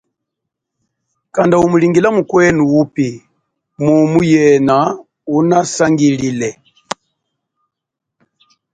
Kanda umulingila mukwenu upi mumu yena unasangilile.